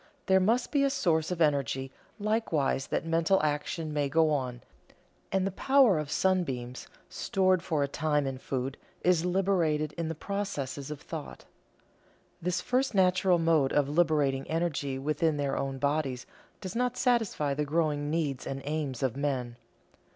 There must be a source of energy likewise that mental action may go on, and the power of sunbeams, stored for a time in food, is liberated in the processes of thought. This first natural mode of liberating energy within their own bodies does not satisfy the growing needs and aims of men.